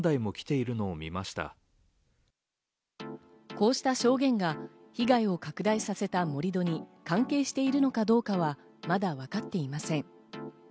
こうした証言が被害を拡大させた盛り土に関係しているのかどうかはまだわかっていません。